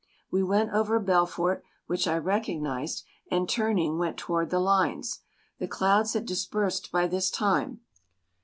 We went over Belfort which I recognized, and, turning, went toward the lines. The clouds had dispersed by this time.